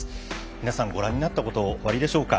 皆さんご覧になったことおありでしょうか。